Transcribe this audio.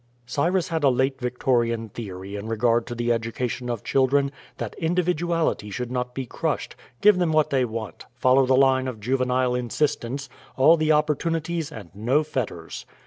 Cyrus had a late Victorian theory in regard to the education of children, that individuality should not be crushed give them what they want follow the line of juvenile insistence all the opportunities and no fetters.